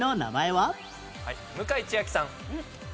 はい向井千秋さん。